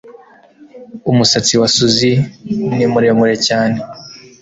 Umusatsi wa Susie ni muremure cyane